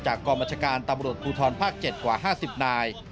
กรมบัชการตำรวจภูทรภาค๗กว่า๕๐นาย